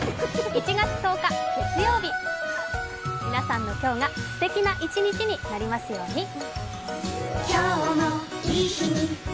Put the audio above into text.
１月１０日月曜日、皆さんの今日が、すてきな一日になりますように。